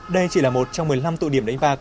đây chỉ là một trong một mươi năm tụ điểm đánh bạc